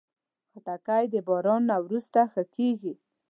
خټکی د باران نه وروسته ښه کېږي.